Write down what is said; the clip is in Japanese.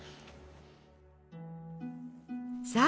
さあ